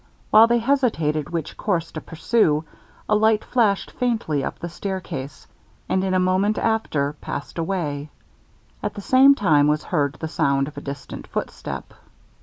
While they hesitated which course to pursue, a light flashed faintly up the stair case, and in a moment after passed away; at the same time was heard the sound of a distant footstep.